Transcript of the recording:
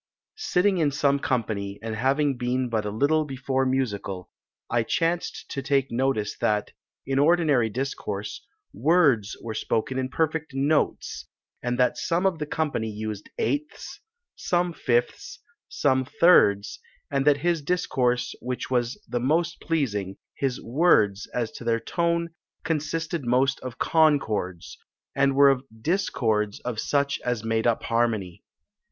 "Sitting in some company, and having been but a little before musical, I chanced to take notice that, in ordinary discourse, words were spoken in perfect notes; and that some of the company used eighths, some fifths, some thirds; and that his discourse which was the most pleasing, his words, as to their tone, consisted most of concords, and were of discords of such as made up harmony.